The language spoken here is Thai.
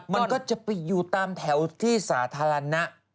มันก็จะไปอยู่ตามแถวที่สาธารณะ